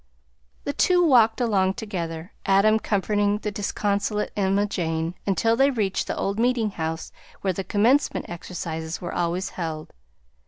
The two walked along together, Adam comforting the disconsolate Emma Jane, until they reached the old meeting house where the Commencement exercises were always held.